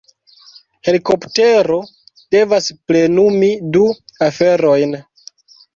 Helikoptero devas plenumi du aferojn.